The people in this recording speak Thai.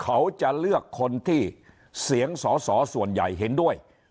เขาจะเลือกคนที่เสียงสอสอส่วนใหญ่เห็นด้วย